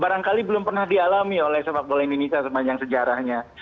barangkali belum pernah dialami oleh sepak bola indonesia sepanjang sejarahnya